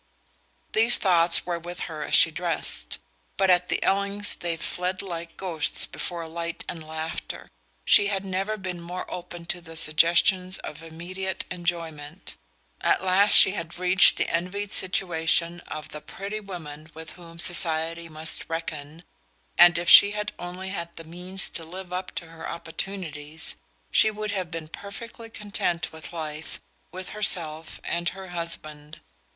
These thoughts were with her as she dressed; but at the Ellings' they fled like ghosts before light and laughter. She had never been more open to the suggestions of immediate enjoyment. At last she had reached the envied situation of the pretty woman with whom society must reckon, and if she had only had the means to live up to her opportunities she would have been perfectly content with life, with herself and her husband.